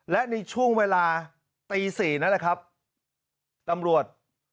และในช่วงเวลาตี๔นั่นแหละครับตำรวจ